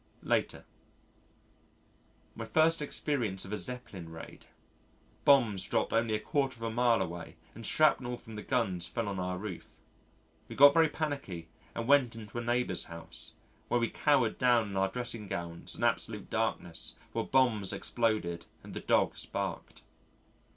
Later: My first experience of a Zeppelin raid. Bombs dropped only a quarter of a mile away and shrapnel from the guns fell on our roof. We got very pannicky and went into a neighbour's house, where we cowered down in our dressing gowns in absolute darkness while bombs exploded and the dogs barked.